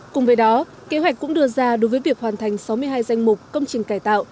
cùng với đó kế hoạch cũng đưa ra đối với việc hoàn thành sáu mươi hai danh mục công trình cải tạo